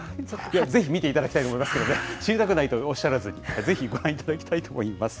ぜひ見ていただきたいと思いますけれども、知りたくないとおっしゃらずに、ぜひご覧いただきたいと思います。